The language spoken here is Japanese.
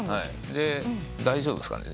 「大丈夫っすかね？